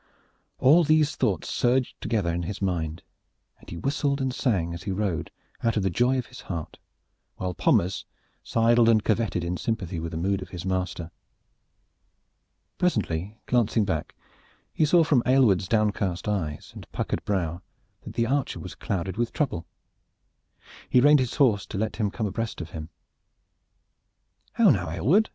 All these thoughts surged together in his mind, and he whistled and sang, as he rode, out of the joy of his heart, while Pommers sidled and curveted in sympathy with the mood of his master. Presently, glancing back, he saw from Aylward's downcast eyes and Puckered brow that the archer was clouded with trouble. He reined his horse to let him come abreast of him. "How now, Aylward?"